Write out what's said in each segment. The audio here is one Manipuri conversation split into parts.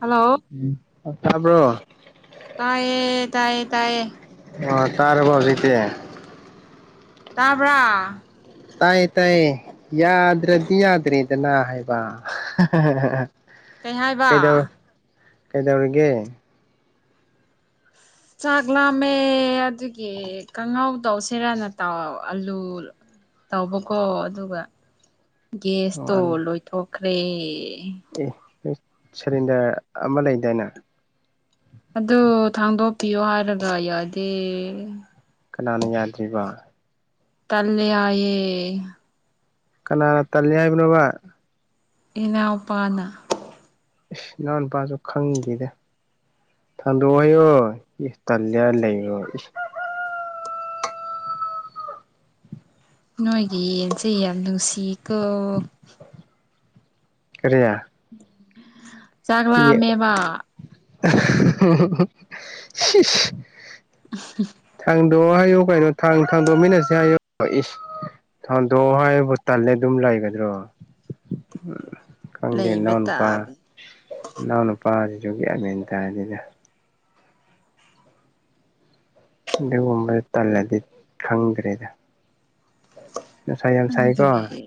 ꯍꯜꯂꯣ ꯐꯥꯕ꯭ꯔꯣ ꯇꯥꯏꯌꯦ ꯇꯥꯏꯌꯦ ꯇꯥꯏꯌꯦ ꯑꯣ ꯇꯥꯔꯕ ꯍꯧꯖꯤꯛꯇꯤ ꯇꯥꯕ꯭ꯔꯥ ꯇꯥꯏꯌꯦ ꯇꯥꯏꯌꯦ ꯌꯥꯗ꯭ꯔꯗꯤ ꯌꯥꯗ꯭ꯔꯦꯗꯅ ꯍꯥꯏꯕ ꯀꯩ ꯍꯥꯏꯕ ꯀꯩꯗꯧ ꯀꯩꯗꯧꯔꯤꯒꯦ ꯆꯥꯛ ꯂꯥꯝꯃꯦ ꯑꯗꯨꯒꯤ ꯀꯥꯡꯍꯥꯎꯗꯧ ꯁꯦꯔꯥꯅ ꯇꯥꯎ ꯑꯂꯨ ꯇꯧꯕꯀꯣ ꯑꯗꯨꯒ ꯒꯦꯁꯇꯣ ꯂꯣꯏꯊꯣꯛꯈ꯭ꯔꯦ ꯑꯦꯣꯏ ꯁꯤꯂꯤꯟꯗꯔ ꯑꯃ ꯂꯩꯗꯥꯏꯅ ꯑꯗꯨ ꯊꯥꯡꯗꯣꯛꯄꯤꯌꯣ ꯍꯥꯏꯔꯒ ꯌꯥꯗꯦ ꯀꯅꯥꯅ ꯌꯥꯗ꯭ꯔꯤꯕ ꯇꯂꯌꯥꯑꯦ ꯀ ꯇꯉ ꯍꯥꯏꯕ ꯏꯅꯥꯎꯄꯥꯅ ꯏꯁ ꯏꯅꯥꯎ ꯅꯨꯄꯥꯁꯨ ꯈꯪꯈꯤꯗ ꯊꯟꯗꯣꯛꯑꯣ ꯍꯥꯏꯌꯣ ꯇꯜꯂꯦ ꯂꯩꯔꯣ ꯅꯣꯏꯒꯤ ꯌꯦꯟꯁꯦ ꯌꯥꯝ ꯅꯨꯡꯁꯤꯀꯣ ꯀꯔꯤꯌꯥ ꯆꯥꯛ ꯂꯝꯃꯦꯕꯥ [unintelligible] ꯊꯥꯡꯗꯣꯑꯣ ꯍꯥꯏꯌꯨ ꯀꯥꯏꯅꯣ ꯊꯥꯡ ꯊꯥꯡꯗꯣꯃꯤꯟꯅꯁꯦ ꯍꯥꯏꯌꯨ ꯏ ꯊꯥꯗꯣꯛ ꯍꯥꯏꯕꯨ ꯇꯜꯂꯦ ꯑꯗꯨꯝ ꯂꯩꯒꯗ꯭ꯔꯣ ꯎ ꯈꯪꯗꯦ ꯅ ꯂꯩꯕ ꯅꯨꯄꯥ ꯇꯥꯕꯅꯤ ꯅꯎ ꯅꯨꯄꯥꯖꯒꯦ ꯃꯇꯗꯗ ꯑꯗꯨꯒꯨꯝꯕꯗ ꯇꯜꯂꯗꯤ ꯈꯪꯈ꯭ꯔꯦꯗ ꯉꯁꯥꯏ ꯌꯥꯝꯝꯁꯥꯏꯀꯣ ꯈꯪꯗ꯭ꯔꯦ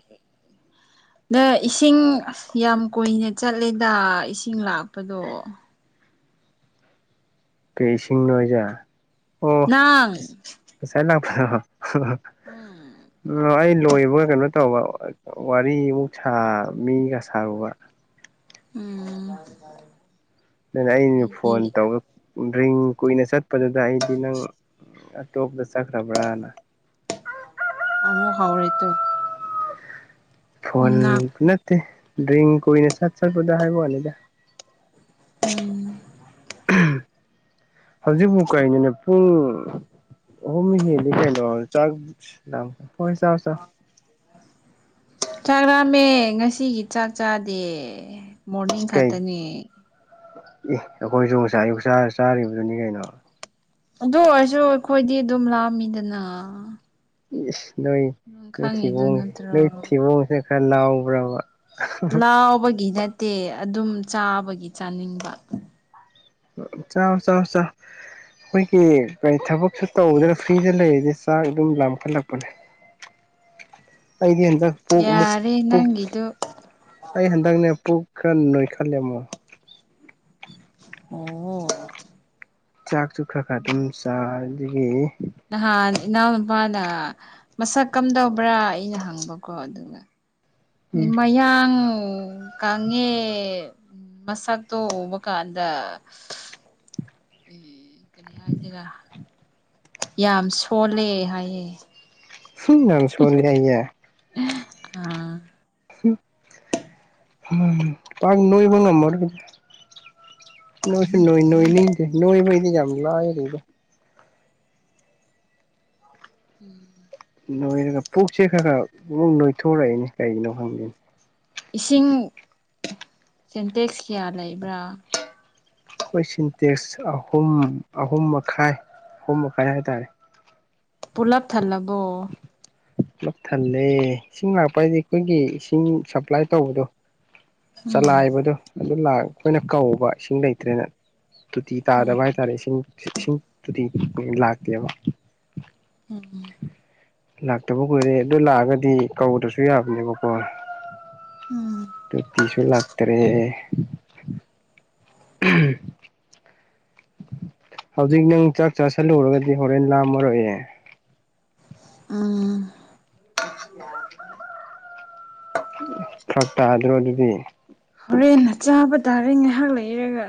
ꯅ ꯏꯁꯤꯡ ꯌꯥꯝ ꯀꯨꯏꯅ ꯆꯠꯂꯦꯗ ꯏꯁꯤꯡ ꯂꯥꯛꯄꯗꯣ ꯀꯩ ꯏꯁꯤꯡ ꯅꯣꯏꯖꯦ ꯑꯣ ꯅꯪ ꯉꯁꯥꯏ ꯂꯥꯛꯄꯗꯣ ꯎꯝ ꯑ [unintelligible] ꯂꯣꯏꯕꯒ ꯀꯩꯅꯣ ꯇꯧꯕ ꯋꯥꯔꯤꯃꯨꯛ ꯁꯥ ꯃꯤꯒ ꯁꯥꯔꯨꯕ ꯎꯝ ꯑꯗꯨꯅ ꯑꯩꯅ ꯐꯣꯟ ꯑꯩꯗꯤ ꯇꯧ ꯗꯔꯤꯡ ꯀꯨꯏꯅ ꯆꯠꯄꯗꯨꯗ ꯑꯩꯗꯤ ꯅꯪ ꯇꯣꯛꯇ ꯆꯠꯈ꯭ꯔꯕ꯭ꯔꯅ ꯑꯃꯨ ꯍꯥꯎꯔꯦꯠꯇꯣ ꯐꯣꯟꯣꯟ ꯅꯠꯇꯦ ꯗ꯭ꯔꯤ ꯀꯅꯦ ꯁꯥꯠ ꯆꯠꯄꯗ ꯍꯥꯏꯕꯅꯤꯗ ꯎꯝ ꯍꯧꯖꯤꯛꯐꯨ ꯀꯩꯅꯣꯅꯦ ꯄꯨꯡ ꯑꯍꯧꯝ ꯍꯦꯜꯂꯦ ꯀꯩꯅꯣꯈ ꯆꯥꯛ ꯉꯥꯡꯕ ꯍꯣꯏ ꯆꯥꯐꯝ ꯆꯥꯔꯣ ꯆꯥꯛꯂꯥꯝꯃꯦ ꯉꯁꯤꯒꯤ ꯆꯥꯛ ꯆꯥꯗꯦ ꯃꯣꯔꯅꯤꯡ ꯈꯛꯇꯅꯦ ꯏ ꯑꯩꯈꯣꯏꯁꯨ ꯉꯁꯥꯏ ꯑꯌꯨꯛ ꯆꯥ ꯆꯥꯔꯤꯕꯗꯨꯅꯤ ꯀꯩꯅꯣ ꯑꯗꯨ ꯑꯣꯏꯔꯁꯨ ꯑꯩꯈꯣꯏꯗꯤ ꯑꯗꯨꯝ ꯂꯥꯝꯃꯤꯗꯅ ꯏꯁ ꯅꯣꯏ ꯅꯪ ꯅꯣꯏ ꯈꯪꯉꯤꯗꯨ ꯊꯤꯕꯣꯡꯁꯤ ꯅꯠꯇ꯭ꯔꯣ ꯅꯣꯏ ꯊꯤꯕꯣꯡꯁꯦ ꯈꯔ ꯂꯥꯎꯕ꯭ꯔꯕ ꯂꯥꯎꯕꯒꯤ ꯅꯠꯇꯦ ꯑꯗꯨꯝ ꯆꯥꯕꯒꯤ ꯆꯥꯅꯤꯡꯕ ꯆꯥꯔꯣ ꯆꯥꯔꯣ ꯆꯥꯔꯣ ꯑꯩꯈꯣꯏꯒꯤ ꯀꯔꯤ ꯊꯕꯛꯁꯨ ꯇꯧꯗꯅ ꯐ꯭ꯔꯤꯗ ꯂꯩꯔꯗꯤ ꯆꯥꯛ ꯑꯗꯨꯝ ꯂꯥꯝꯈꯠꯂꯛꯄꯅꯦ [inaudible] ꯑꯩꯗꯤ ꯍꯟꯗꯛ ꯄꯨꯨꯛ ꯑꯃꯨꯛ ꯌꯥꯔꯦ ꯄꯨꯛ ꯅꯪꯒꯤꯗꯨ ꯑꯩ ꯍꯟꯗꯛꯅꯦ ꯄꯨꯛ ꯈꯔ ꯅꯣꯏꯈꯠꯂꯦ ꯑꯃꯨꯛ ꯑꯣ ꯆꯥꯛꯁꯨ ꯈꯔ ꯈꯔ ꯑꯗꯨꯝ ꯆꯥꯏ ꯑꯗꯒꯤ ꯅꯪꯒꯟ ꯏꯅꯥꯎ ꯅꯤꯄꯥꯅ ꯃꯁꯛ ꯀꯝꯗꯧꯕ꯭ꯔꯥ ꯑꯩꯅ ꯍꯪꯕꯀꯣ ꯑꯗꯨꯒ ꯃꯌꯥꯡ ꯀꯪꯉꯦ ꯎꯝ ꯃꯁꯛꯇꯣ ꯎꯕꯀꯥꯟꯗ ꯎ ꯀꯔꯤ ꯍꯥꯏꯁꯤꯔ ꯌꯥꯝ ꯁꯣꯜꯂꯦ ꯍꯥꯏꯌꯦ ꯎꯝ ꯌꯥꯝ ꯁꯣꯜꯂꯦ ꯍꯥꯏꯑꯦ ꯑꯥ ꯄꯥꯛ ꯅꯣꯏꯕ ꯉꯝꯃꯔꯣꯏꯗ ꯅꯣꯏꯁꯨ ꯅꯣꯏ ꯅꯣꯏꯅꯤꯡꯗꯦ ꯅꯣꯏꯕꯩꯗꯤ ꯌꯥꯝ ꯂꯥꯏꯔꯤꯗ ꯎꯝ [unintelligible] ꯅꯣꯏꯔꯒ ꯄꯨꯛꯁꯦ ꯈꯔ ꯈꯔ ꯑꯃꯨꯛ ꯅꯣꯏꯊꯣꯔꯛꯏꯅꯦ ꯀꯩꯒꯤꯅꯣ ꯈꯪꯗꯦꯅꯦ ꯏꯁꯤꯡ ꯁꯦꯟꯇꯦꯛꯁ ꯀꯌꯥ ꯂꯩꯕ꯭ꯔꯥ ꯑꯩꯈꯣꯏ ꯁꯤꯟꯇꯦꯛꯁ ꯑꯍꯨꯝ ꯑꯍꯨꯝ ꯃꯈꯥꯏ ꯑꯍꯨꯝ ꯃꯈꯥꯏ ꯍꯥꯏꯇꯥꯔꯦ ꯄꯨꯂꯞ ꯊꯜꯂꯕꯣ ꯄꯨꯂꯞ ꯊꯜꯂꯦ ꯏꯁꯤꯡ ꯂꯥꯛꯄ ꯍꯥꯏꯗꯤ ꯑꯩꯈꯣꯏꯒꯤ ꯏꯁꯤꯡ ꯁꯄ꯭ꯂꯥꯏ ꯇꯧꯕꯗꯣ ꯎꯝ ꯆꯂꯥꯏꯕꯗꯣ ꯑꯗꯨ ꯑꯩꯈꯣꯏꯅ ꯀꯧꯕ ꯏꯁꯤꯡ ꯂꯩꯇ꯭ꯔꯦꯅ ꯇꯣꯇꯤ ꯎꯝ ꯇꯥꯗꯕ ꯍꯥꯏꯇꯥꯔꯦ ꯏꯁꯤꯡ ꯏꯁꯤꯡ ꯇꯣꯇꯤ ꯂꯥꯛꯇꯦꯕ ꯎꯝ ꯂꯥꯛꯇꯕ ꯀꯨꯏꯔꯦ ꯑꯗꯨ ꯂꯥꯛꯑꯒꯗꯤ ꯀꯧꯗ꯭ꯔꯁꯨ ꯌꯥꯕꯅꯦꯕꯀꯣ ꯎꯝ ꯇꯣꯇꯤꯁꯨ ꯂꯥꯛꯇꯥꯔꯦ ꯍꯧꯖꯤꯛ ꯅꯪ ꯆꯥꯛ ꯆꯥꯥꯁꯜꯂꯨꯔꯒꯗꯤ ꯍꯣꯔꯦꯟ ꯂꯥꯝꯃꯔꯣꯏꯑꯦ ꯎꯝ ꯐꯤꯔꯛ ꯇꯥꯗ꯭ꯔꯣ ꯑꯗꯨꯗꯤ ꯍꯣꯔꯦꯟꯅ ꯆꯥꯕ ꯇꯥꯔꯦ ꯉꯥꯏꯍꯥꯛ ꯂꯩꯔꯒ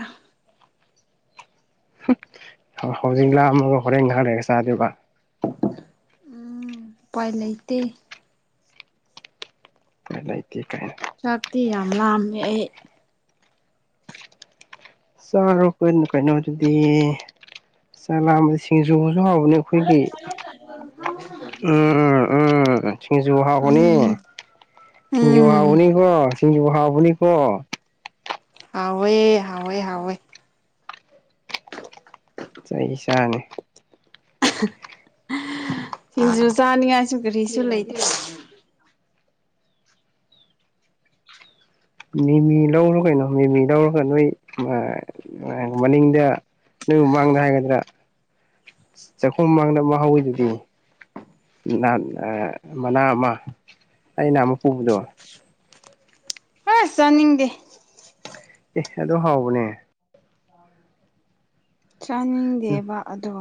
ꯍꯧꯖꯤꯛ ꯂꯥꯝꯃꯒ ꯍꯣꯔꯦꯟ ꯉꯍꯥꯛ ꯂꯩꯔꯒ ꯆꯥꯗꯣꯏꯕ ꯎꯝ ꯎꯄꯥꯏꯂꯩꯇꯦ ꯎꯄꯥꯏꯂꯩꯇꯦ ꯀꯥꯏꯅ ꯆꯥꯛꯇꯤ ꯌꯥꯝ ꯂꯃꯦ ꯑꯩ ꯆꯥꯔꯣ ꯀꯩꯅ ꯀꯩꯅꯣ ꯑꯗꯨꯗꯤ ꯆꯥꯛ ꯂꯥꯝꯕ ꯁꯤꯡꯖꯨ ꯍꯥꯎꯕꯅꯦ ꯑꯩꯈꯣꯏꯒꯤ ꯎꯝ ꯎꯝ ꯎꯝ ꯁꯤꯡꯖꯨ ꯎꯝ ꯁꯤꯡꯖꯨ ꯎꯝ ꯍꯥꯎꯕꯅꯤ ꯀꯣ ꯁꯤꯡꯖꯨ ꯍꯥꯥꯎꯕꯅꯤ ꯀꯣ ꯍꯥꯎꯑꯦ ꯍꯤꯎꯑꯦ ꯍꯥꯎꯑꯦ ꯆꯩ ꯆꯥꯅꯤ [inaudible] ꯨ ꯖꯨ ꯆꯥꯅꯤꯡꯉꯥꯏꯁꯨ ꯀꯔꯤꯁꯨ ꯂꯩꯇꯦ ꯃꯤꯃꯤ ꯂꯧꯔꯣ ꯀꯩꯅꯣ ꯃꯤꯃꯤ ꯂꯧꯔꯒ ꯅꯣꯏ ꯃ ꯃꯅꯤꯡꯗ ꯅꯣꯏ ꯃꯃꯥꯡꯗ ꯍꯥꯏꯒꯗ꯭ꯔꯥ ꯆꯥꯛꯈꯨꯝ ꯃꯥꯡꯗ ꯑꯃ ꯍꯧꯋꯤꯗꯨꯗꯤ ꯅꯍꯥꯟ ꯑ ꯃꯅꯥ ꯑꯃ ꯑꯩ ꯅꯍꯥꯃꯨꯛ ꯄꯨꯕꯗꯣ ꯑꯁ ꯆꯥꯅꯤꯡꯗꯦ ꯑꯦ ꯑꯗꯨ ꯍꯥꯎꯕꯅꯦ ꯆꯥꯅꯤꯡꯗꯦꯕ ꯑꯗꯣ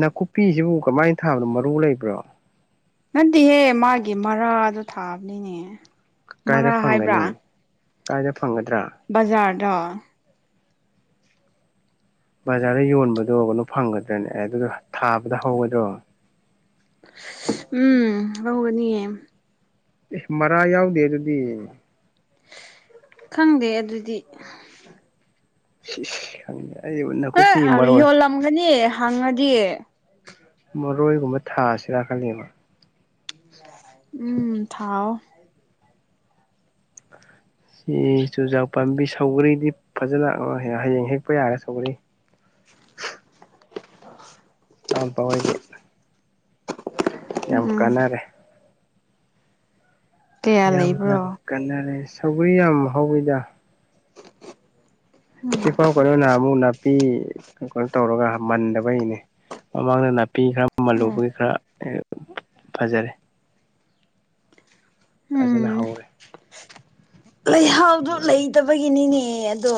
ꯅꯥꯀꯨꯞꯄꯤꯁꯤꯕꯨ ꯀꯃꯥꯏꯅ ꯊꯥꯕꯅꯣ ꯃꯔꯨ ꯂꯩꯕ꯭ꯔꯣ ꯅꯠꯗꯤꯍꯦ ꯃꯥꯒꯤ ꯃꯔꯥꯗꯣ ꯊꯥꯕꯅꯤꯅꯦ ꯃꯔꯥ ꯀꯥꯏꯗ ꯍꯥꯏꯕ꯭ꯔꯥ ꯐꯪꯒꯅꯤ ꯀꯥꯏꯗ ꯐꯪꯒꯗ꯭ꯔꯥ ꯗ꯭ꯔꯥ ꯕꯖꯥꯔꯗ ꯌꯣꯟꯕꯗꯣ ꯀꯩꯅꯣ ꯐꯪꯒꯗ꯭ꯔꯅꯦ ꯑꯦ ꯑꯗꯨꯗꫭ ꯊꯥꯕꯗ ꯍꯧꯒꯗ꯭ꯔꯣ ꯎꯝ ꯍꯧꯒꯅꯤꯌꯦ ꯏꯁ ꯃꯔꯥ ꯌꯥꯎꯗꯦ ꯑꯗꯨꯗꯤ ꯈꯪꯗꯦ ꯑꯗꯨꯗꯤ ꯁꯤ ꯁ ꯈꯪꯗꯦ ꯑꯩꯕꯨ ꯍꯦ ꯅꯥꯀꯨꯞꯄꯤ ꯑꯔꯤ ꯃꯔꯣꯏ ꯌꯣꯜꯂꯝꯒꯅꯤ ꯍꯪꯉꯗꯤ ꯃꯔꯣꯏꯒꯨꯝꯕ ꯊꯥꯁꯤꯔ ꯈꯜꯂꯤꯕ ꯎꯝ ꯊꯥꯎꯑꯣ ꯁꯤ ꯆꯨꯖꯥꯛ ꯄꯥꯝꯕꯤ ꯁꯧꯒꯔꯤꯗꯤ ꯐꯖꯅ ꯑ ꯍꯌꯦꯡ ꯍꯦꯛꯄ ꯌꯥꯔꯦ ꯁꯧꯒꯔꯤ [inaudible] ꯑꯝꯄꯥ ꯍꫭꯏꯒꯤ ꯌꯥꯝ ꯎꯝ ꯀꯥꯟꯅꯔꯦ ꯀꯌꯥ ꯌꯥꯝ ꯌꯥꯝ ꯂꯩꯕ꯭ꯔꯣ ꯀꯟꯅꯔꯦ ꯁꯧꯒꯔꯤ ꯌꯥꯝ ꯍꯧꯋꯤꯗ ꯁꯤꯐꯥꯎ ꯀꯩꯅꯣ ꯅꯍꯥꯃꯨꯛ ꯅꯥꯄꯤ ꯀꯩꯅꯣ ꯇꯧꯔꯒ ꯃꯟꯗꯕꯩꯅꯦ ꯃꯃꯥꯡꯗ ꯅꯥ ꯄꯤ ꯈꯔ ꯎꯝ ꯃꯜꯂꯨꯕꯒꯤ ꯈꯔ ꯑ ꯐꯖꯔꯦ ꯐꯖꯅ ꯍꯧꯔꯦ ꯂꯩꯍꯥꯎꯗꯣ ꯂꯩꯇꯕꯒꯤꯅꯤꯅꯦ ꯑꯗꯣ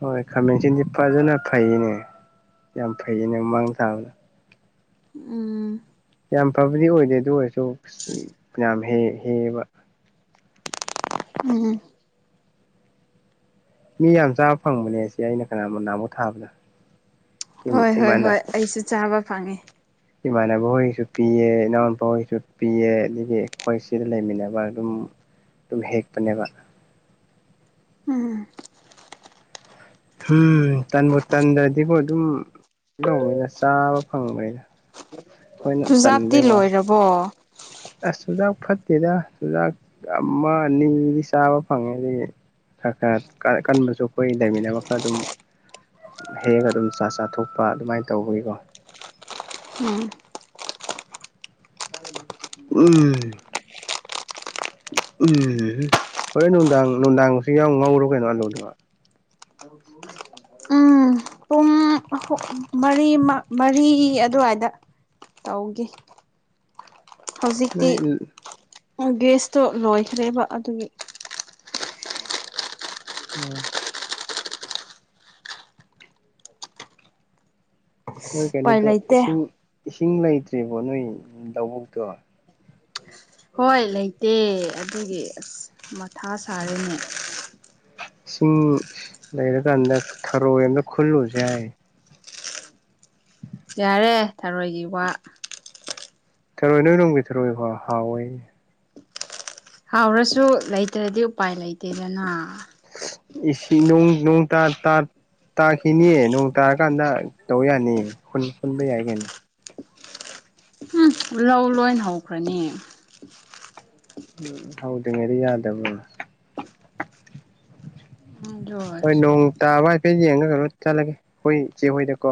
ꯍꯣꯏ ꯈꯥꯃꯦꯟꯁꯤꯟꯗꯤ ꯐꯖꯅ ꯐꯩꯌꯦꯅꯦ ꯌꯥꯝ ꯐꯩꯌꯦꯅꯦ ꯃꯥꯡ ꯊꯥꯕꯗ ꯎꯝ ꯌꯥꯝ ꯐꯕꯗꯤ ꯑꯣꯏꯗꯦ ꯑꯗꯨ ꯑꯣꯏꯔꯁꯨ ꯁꯤ ꯌꯥꯝ ꯍꯦ ꯍꯦꯕ ꯎꯝ ꯃꯤ ꯌꯥꯝ ꯆꯥꯕ ꯐꯪꯕꯅꯦ ꯁꯤ ꯑꯩꯅ ꯀꯅꯥꯕ ꯅꯍꯥꯃꯨꯛ ꯊꯥꯕꯗꫭ ꯍꯣꯏ ꯍꯣꯏ ꯍꯣꯏ ꯑꯩꯁꯨ ꯆꯥꯕ ꯐꯪꯉꯦ ꯏꯃꯥꯟꯅꯕ ꯍꯣꯏꯒꯤꯁꯨ ꯄꯤꯌꯦ ꯏꯅꯥꯎꯅꯨꯄꯥ ꯍꯣꯏꯁꯨ ꯄꯤꯌꯦ ꯑꯗꯒꯤ ꯑꯩꯈꯣꯏ ꯁꯤꯗ ꯂꯩꯃꯤꯟꯅꯕ ꯑꯗꯨꯝ ꯇꯨꯝ ꯍꯦꯛꯄꯅꯦꯕ ꯎꯝ ꯍꯨꯝ ꯇꯟꯕꯨ ꯇꯟꯗ꯭ꯔꯗꯤꯕꫭ ꯑꯗꯨꯝ ꯂꫭꯏꯅ ꯆꯥꯕ ꯐꯪꯕꯅꯤꯗ ꯆꯨꯖꯥꯛꯇꯤ ꯂꯣꯏꯔꯕꯣ ꯑꯁ ꯆꯨꯖꯥꯛ ꯐꯠꯇꯦꯗ ꯆꯨꯖꯥꯛ ꯑꯃ ꯑꯅꯤꯗꯤ ꯆꯥꯕ ꯐꯪꯉꯦ ꯑꯗꯩꯗꯤ ꯈꯔ ꯈꯔ ꯀꯟꯕꯁꯨ ꯑꯩꯈꯣꯏ ꯂꯩꯃꯤꯟꯅꯕ ꯈꯔ ꯑꯗꯨꯝ ꯍꯦꯛꯑꯒ ꯑꯗꯨꯝ ꯆꯥ ꯆꯥꯊꯣꯛꯄ ꯑꯗꯨꯃꯥꯏꯅ ꯇꯧꯕꯒꯤꯀꯣ ꯎꯝ ꯎꯝ ꯎꯝ ꯍꯨꯝ ꯍꯣꯔꯦꯟ ꯅꯨꯡꯗꯥꯡ ꯅꯨꯡꯗꯥꯡꯒꯤꯁꯨ ꯌꯥꯎ ꯉꯧꯔꯣ ꯀꯩꯅꯣ ꯑꯂꯨꯗꫭ ꯎꯝ ꯄꯨꯡ ꯃꯔꯤ ꯃꯔꯤ ꯑꯗꯨꯋꯥꯏꯗ ꯇꯧꯒꯦ ꯍꯧꯖꯤꯛꯇꯤ ꯅꯣꯏ ꯒ꯭ꯂꯤꯁꯇꯣ ꯂꯣꯏꯈ꯭ꯔꯦꯕ ꯑꯗꯨꯒꯤ ꯎꯝ ꯅꯣꯏ ꯎꯄꯥꯏ ꯀꯩꯅꯣꯗꯣ ꯂꯩꯇꯦ ꯏꯁꯤꯡ ꯏꯁꯤꯡ ꯂꯩꯇ꯭ꯔꯤꯕꯣ ꯅꯣꯏ ꯂꯧꯕꯨꯛꯇꯣ ꯍꯣꯏ ꯂꯩꯇꯦ ꯑꯗꯨꯒꯤ ꯑꯁ ꯃꯊꯥ ꯁꯥꯔꯤꯅꯦ ꯏꯁꯤꯡ ꯂꯩꯔꯀꯥꯟꯗ ꯊꯔꯣꯏ ꯑꯝꯇ ꯈꯨꯜꯂꯨꯁꯦ ꯍꯥꯏ ꯌꯥꯔꯦ ꯊꯔꯣꯏꯒꯤ ꯋꯥ ꯊꯔꯣꯏ ꯅꯣꯏ ꯅꯅꯨꯡꯕꯤ ꯊꯔꯣ ꯍ ꯍꯥꯎꯑꯣꯏꯅꯦ ꯍꯥꯎꯔꯁꯨ ꯂꯩꯇ꯭ꯔꯗꯤ ꯎꯄꯥꯏ ꯂꯩꯇꯦꯗꯅ ꯏꯁꯤ ꯅꯣꯡ ꯅꯣꯡ ꯇ ꯇꯔ ꯇꯥꯈꯤꯅꯤꯌꯦ ꯅꯣꯡ ꯇꯥꯔꯀꯥꯟꯗ ꯇꯧꯕ ꯌꯥꯅꯤꯌꯦ ꯈꯨꯟꯕ ꯌꯥꯏ ꯀꯩꯅ ꯎꯝ ꯂꯧ ꯂꯣꯏ ꯍꯧꯈ꯭ꯔꯅꯤ ꯎꯝ ꯍꯧꯗ꯭ꯔꯤꯉꯩꯗ ꯌꯥꯗꯕꯅꯤꯅ ꯑꯗꯨ ꯍꯣꯏ ꯑꯣꯏꯔꯁꯨ ꯅꯣꯡ ꯇꯥꯕ ꯍꯥꯏꯐꯦꯠ ꯌꯦꯡꯉꯒ ꯀꯩꯅꯣ ꯆꯠꯂꯒꯦ ꯑꯩꯈꯣꯏ ꯏꯆꯦ ꯍꯣꯏꯗꯀꯣ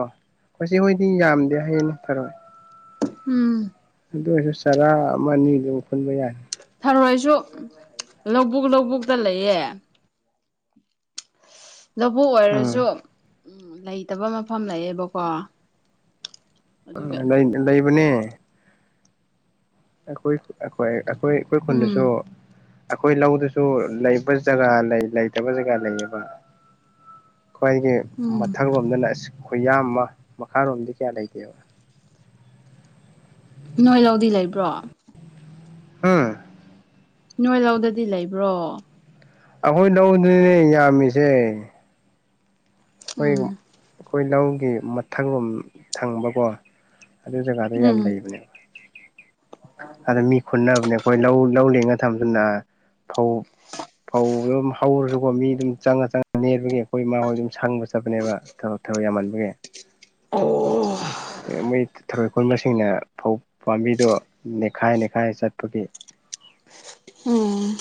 ꯃꯁꯤ ꯍꯣꯏꯗꯤ ꯌꯥꯝꯗꯦ ꯍꯌꯦꯡ ꯊꯔꯦ ꯎꯝ ꯑꯗꯨ ꯑꯣꯏꯔꯁꯨ ꯆꯔꯥ ꯑꯃ ꯑꯅꯤꯗꯨ ꯄꯨꯟꯕ ꯌꯥꯅꯤ ꯐꯔꯣꯏꯁꯨ ꯂꯧꯕꯨꯛ ꯂꯧꯕꯨꯛꯇ ꯂꯩꯌꯦ ꯂꯧꯕꯨ ꯎꯝ ꯑꯣꯏꯔꯁꯨ ꯂꯩꯇꯕ ꯃꯐꯝ ꯂꯩꯌꯦꯦꯕꯀꯣ ꯎꯝ ꯂꯩꯕꯅꯦ ꯑꯩꯈꯣꯏ ꯑꯩꯈꯣꯏ ꯑꯩꯈꯣꯏ ꯑꯩꯈꯣꯏ ꯈꯨꯟꯗꯁꯨ ꯎꯝ ꯑꯩꯈꯣꯏ ꯂꯧꯗꯨꯁꯨ ꯂꯩꯕ ꯖꯒꯥ ꯂꯩ ꯂꯩꯇꯕ ꯖꯒꯥ ꯂꯩꯌꯦꯕ ꯈ꯭ꯋꯥꯏꯒꯤ ꯎꯝ ꯃꯊꯪ ꯂꯣꯝꯗ ꯂꯥꯛꯑꯁꯤ ꯈꯨꯌꯥ ꯑꯃ ꯃꯈꯥꯔꯣꯝꯗꯤ ꯀꯌꯥ ꯂꯩꯇꯦꯕ ꯅꯣꯏ ꯂꯧꯗꯤ ꯂꯩꯕ꯭ꯔꯣ ꯍꯥꯥ ꯅꯣꯏ ꯂꯧꯧꯗꯗꯤ ꯂꯩꯕ꯭ꯔꯣ ꯑꯩꯈꯣꯏ ꯂꯧꯗꯨꯅꯦ ꯌꯥꯝꯃꯤꯁꯦ ꯑꯩꯈꯣꯏ ꯎꯝ ꯑꯩꯈꯣꯏ ꯂꯧꯒꯤ ꯃꯊꯪ ꯂꯣꯝ ꯊꯪꯕꯀꯣ ꯑꯗꯨ ꯖꯒꯥꯗꯣ ꯌꯥꯝ ꯎꯝ ꯂꯩꯕꯅꯦꯕ ꯑꯗ ꯃꯤ ꯈꯨꯟꯅꯅꯕꯅꯦ ꯑꯩꯈꯣꯏ ꯂꯧ ꯂꯧꯤꯡꯉ ꯊꯝꯖꯅ ꯐꯧ ꯐꯧ ꯑꯗꯨꯝ ꯍꯧꯔꯁꯨꯀꯣ ꯃꯤ ꯑꯗꯨꯝ ꯆꯪꯉ ꯆꯪꯉ ꯅꯦꯕꯒꯤ ꯑꯩꯈꯣꯏ ꯏꯃꯥ ꯍꯣꯏ ꯑꯗꯨꯝ ꯁꯪꯕ ꯆꯠꯄꯅꯦꯕ ꯊꯕꯛ ꯊꯕꯛ ꯌꯥꯝꯃꯟꯕꯒꯤ ꯑꯣ ꯃꯣꯏ ꯊꯔꯣꯏ ꯀꯣꯟꯟꯕꯁꯤꯡꯅ ꯐꯧ ꯄꯥꯝꯕꯤꯗꯣ ꯅꯦꯠꯈꯥꯏ ꯅꯦꯈꯥꯏ ꯆꯠꯄꯒꯤ ꯎꯝ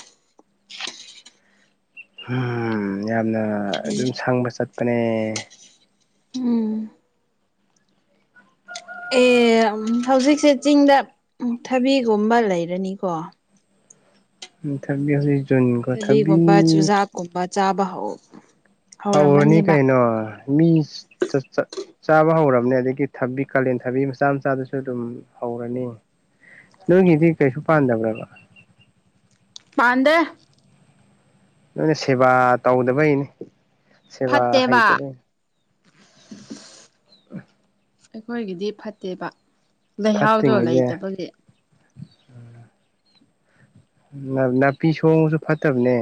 ꯎꯝ ꯌꯥꯝꯅ ꯑꯗꯨꯝ ꯁꯪꯕ ꯆꯠꯄ ꯀ ꯎꯝ ꯑꯦ ꯍꯧꯖꯤꯛꯁꯦ ꯆꯤꯡꯗ ꯊꯕꯤꯒꯨꯝꯕ ꯂꯩꯔꯅꯤꯀꯣ ꯊꯕꯤ ꯍꯧꯖꯤꯛ ꯖꯨꯟꯒꯣ ꯊꯕꯤ ꯆꯥꯕꯧ ꯍꯧꯔꯅꯤ ꯀꯩꯅꯣ ꯃꯤ ꯆꯥꯕ ꯍꯧꯔꯕꯅꯦ ꯑꯗꯒꯤ ꯊꯕꯤ ꯀꯥꯂꯦꯟ ꯊꯕꯤ ꯃꯆꯥ ꯃꯆꯥꯗꯨꯁꯨ ꯑꯗꯨꯝ ꯍꯧꯔꯅꯤ ꯂꯒꯤꯗꯤ ꯀꯩꯁꯨ ꯄꯥꯟꯗꯕ꯭ꯔꯕ ꯍꯗ ꯅꯣꯏꯅ ꯁꯦꯕꯥ ꯇꯧꯗꯕꯩꯅꯦ ꯁꯦꯕꯥ ꯐꯠꯇꯦꯕ ꯍꯥꯏꯗꯕ ꯑꯩꯈꯣꯏꯒꯤꯗꯤ ꯐꯠꯇꯦꯕ ꯂꯩꯍꯥꯎꯗꯣ ꯐꯠꯇ꯭ꯔꯤꯉꯩꯗ ꯂꯩꯇꯕꯒꯤ ꯅꯥꯄꯤ ꯁꯣꯡꯕꯁꯨ ꯐꯠꯇꯕꯅꯦ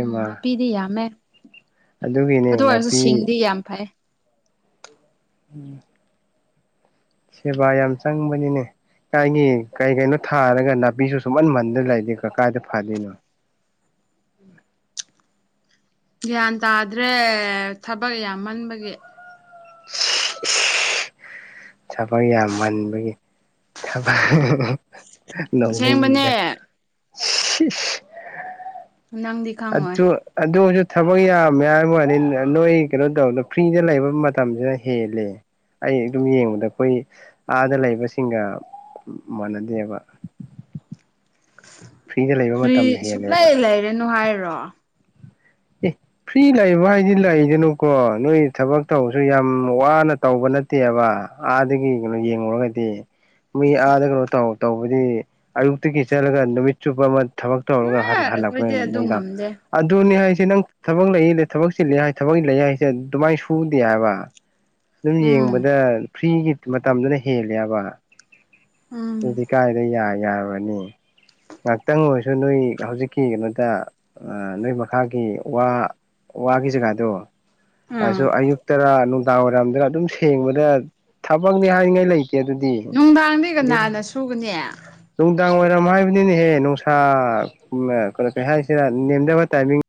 ꯎꯝ ꯅꯥꯄꯤꯗꯤ ꯌꯥꯝꯃꯦ ꯑꯗꯨꯒꯤꯅꯦ ꯑꯗꯨ ꯑꯣꯏꯔꯁꯨ ꯅꯥꯄꯤ ꯁꯤꯡꯗꯤ ꯌꯥꯝ ꯐꯩ ꯎꯝ ꯁꯦꯕꯥ ꯌꯥꯝꯏ ꯆꯪꯕꯅꯤꯅꯦ ꯀꯥꯏꯒꯤ ꯀꯩ ꯀꯩꯅꯣ ꯊꯥꯔꯒ ꯅꯥꯄꯤꯁꯨ ꯁꯨꯝꯍꯟꯃꯟꯗꯅ ꯂꯩꯇꯦ ꯀ ꯀꯥꯏꯗ ꯐꯗꯣꯏꯅꯣ ꯎ ꯎꯝ ꯒ꯭ꯌꯥꯟ ꯇꯥꯗ꯭ꯔꯦ ꯊꯕꯛ ꯌꯥꯝꯃꯟꯕꯒꯤ [inaudible] ꯊꯕꯛ ꯌꯥꯝꯃꯟꯕꯒꯤ ꯊꯕ ꯑꯁꯦꯡꯕꯅꯦ ꯅꯣꯛꯅꯤꯡꯏꯗ ꯁꯤꯁꯁ ꯅꯪꯗꯤ ꯈꯪꯉꯣꯏ ꯑꯗꯨ ꯑꯗꯨꯖꯨ ꯊꯕꯛ ꯌꯥꯝꯃꯦ ꯍꯥꯏꯕꯋꯥꯅꯤ ꯅꯣꯏ ꯀꯩꯅꯣ ꯇꯧꯕꯗ ꯐ꯭ꯔꯤꯗ ꯂꯩꯕ ꯃꯇꯝꯁꯤꯅ ꯍꯦꯜꯂꯦ ꯑꯩ ꯑꯗꯨꯝ ꯌꯦꯡꯕꯗ ꯑꯩꯈꯣꯏ ꯑꯥꯗ ꯂꯩꯕꯁꯤꯡꯒ ꯃꯥꯟꯅꯗꯦꯕ ꯐ꯭ꯔꯤꯗ ꯂꯩꯕ ꯐ꯭ꯔꯤ ꯃꯇꯝꯅ ꯍꯦꯜꯂꯦꯕ ꯁꯨꯡꯂꯩ ꯂꯩꯔꯅꯨ ꯍꯥꯏꯔꯣ ꯑꯦ ꯐ꯭ꯔꯤ ꯂꯩꯕ ꯍꯥꯏꯗꯤ ꯂꯩꯗꯅꯨꯀꯣ ꯅꯣꯏ ꯊꯕꯛ ꯇꯧꯕꯁꯨ ꯌꯥꯝ ꯋꯥꯅ ꯇꯧꯕꯅꯤ ꯅꯠꯇꯦꯕ ꯑꯥꯗꯒꯤ ꯀꯩꯅꯣ ꯌꯦꯡꯂꯡꯉꯨꯔꯒꯗꯤ ꯃꯤ ꯑꯥꯗ ꯀꯩꯅꯣ ꯇ ꯇꯧꯕꯗꯤ ꯑꯌꯨꯛꯇꯒꯤ ꯆꯠꯂꯒ ꯅꯨꯃꯤꯠ ꯆꯨꯞꯄ ꯑꯃ ꯊꯕꯛ ꯇꯧꯔꯒ ꯑꯩꯈꯣꯏꯗꯤ ꯑꯗꯨ ꯍꯜꯂꯛꯄꯅꯤꯗ ꯉꯝꯗꯦ ꯑꯗꯨꯅꯤ ꯍꯥꯏ ꯁꯤ ꯅꯪ ꯊꯕꯛ ꯂꯩ ꯊꯕꯛ ꯆꯤꯂꯦ ꯍꯥꯏ ꯊꯕꯛ ꯂꯩ ꯍꯥꯏꯁꯦ ꯑꯗꯨꯃꯥꯏꯅ ꯁꯨꯗꯦ ꯍꯥꯏꯕ ꯑꯗꯨꯝ ꯎꯝ ꯌꯦꯡꯕꯗ ꯐ꯭ꯔꯤꯒꯤ ꯃꯇꯝꯗꯨꯅ ꯍꯦꯜꯂꯦꯕ ꯎꯝ ꯑꯗꯨꯗꯤ ꯀꯥꯏꯗ ꯌꯥ ꯌꯥꯕꯅꯤ ꯉꯥꯏꯍꯥꯛꯇꯪ ꯑꯣꯏꯔꯁꯨ ꯅꯣꯏ ꯍꯧꯖꯤꯛꯀꯤ ꯀꯩꯅꯣꯗ ꯅꯣꯏ ꯃꯈꯥꯒꯤ ꯋꯥ ꯋꯥꯒꯤ ꯖꯒꯥꯗꯣ ꯎꯝ ꯑꯗꯨꯁꯨ ꯑꯌꯨꯛꯇꯔ ꯅꯨꯡꯗꯥꯡ ꯋꯥꯏꯔꯝ ꯑꯗꯨꯅ ꯑꯗꯨꯝ ꯁꯦꯡꯕꯗ ꯊꯕꯛꯅꯤ ꯍꯥꯏꯔꯤꯉꯥꯏ ꯂꯩ ꯇꯦ ꯑꯗꯨꯗꯤ ꯅꯨꯡꯗꯥꯡꯗꯤ ꯀꯅꯥꯅ ꯌꯨꯝ ꯁꯨꯒꯅꯤ ꯅꯨꯡꯗꯥꯡ ꯋꯥꯔꯝ ꯍꯥꯏꯕꯅꯤꯅꯍꯦ ꯅꯨꯡꯁꯥ ꯀꯩꯅ ꯀꯩ ꯍꯥꯏꯁꯤꯔ ꯅꯦꯝꯗꯕ ꯇꯥꯏꯃꯤꯡ